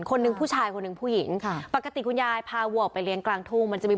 คนหนึ่งผู้ชายคนหนึ่งผู้หญิงค่ะปกติคุณยายพาวัวออกไปเลี้ยงกลางทุ่งมันจะมี